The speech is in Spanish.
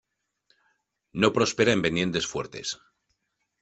No prospera en pendiente fuertes.